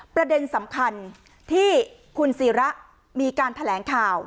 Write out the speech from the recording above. ประเด็นสำคัญที่คุณศิระมีการแถลงข่าว